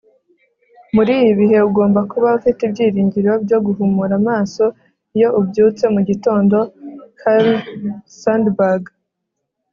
muri ibi bihe, ugomba kuba ufite ibyiringiro byo guhumura amaso iyo ubyutse mu gitondo. - carl sandburg